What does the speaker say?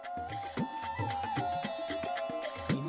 โอ้โหโอ้โหโอ้โห